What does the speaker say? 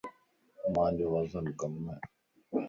مانجو وزن ڪم ائي.